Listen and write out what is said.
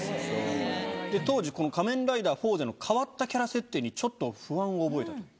当時この『仮面ライダーフォーゼ』の変わったキャラ設定にちょっと不安を覚えたと。